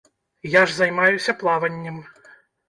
Я ж займаюся плаваннем.